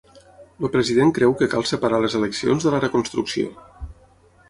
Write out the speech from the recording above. El president creu que cal separar les eleccions de la reconstrucció.